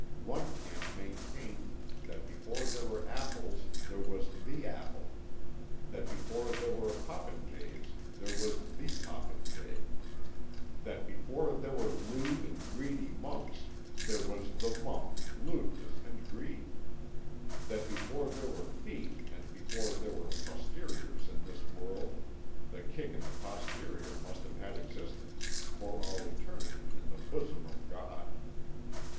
One camp maintained that before there were apples there was the Apple; that before there were popinjays there was the Popinjay; that before there were lewd and greedy monks there was the Monk, Lewdness and Greed; that before there were feet and before there were posteriors in this world the kick in the posterior must have had existence for all eternity in the bosom of God.